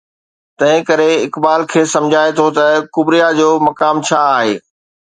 تنهن ڪري اقبال کيس سمجهائي ٿو ته ڪبريا جو مقام ڇا آهي؟